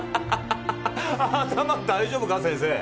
頭大丈夫か先生？